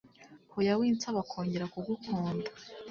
Hoya winsaba kongera kugukunda